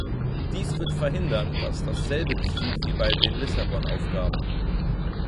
Dies wird verhindern, dass dasselbe geschieht wie bei den Lissabon-Aufgaben.